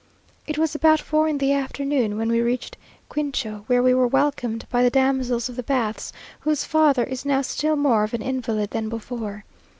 It was about four in the afternoon when we reached Cuincho, where we were welcomed by the damsels of the baths, whose father is now still more of an invalid than before.